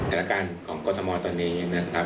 ธนาคารของกฎมตอนนี้นะครับ